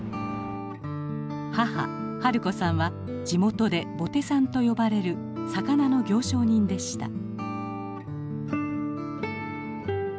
母はるこさんは地元でボテさんと呼ばれる魚の行商人でした。